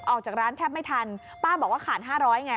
ออกจากร้านแทบไม่ทันป้าบอกว่าขาด๕๐๐ไง